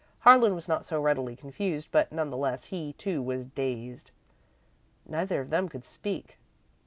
Harlan was not so readily confused, but none the less, he, too, was dazed. Neither of them could speak.